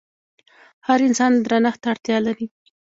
هر انسان درنښت ته اړتيا لري.